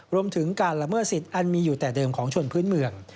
รวมถึงการละเมิดสิทธิ์อันมีอยู่แต่เดิมของชนพื้นเมือง